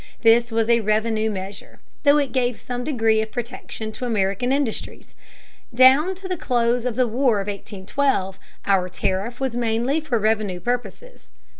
This was a revenue measure, though it gave some degree of protection to American industries. Down to the close of the War of 1812 our tariff was mainly for revenue purposes.